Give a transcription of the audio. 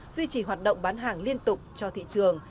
duy trì hoạt động bán hàng liên tục cho thị trường